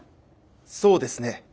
そうですね。